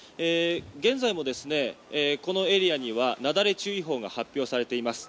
現在もこのエリアにはなだれ注意報が発表されています。